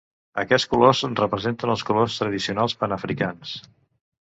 Aquests colors representen els colors tradicionals panafricans.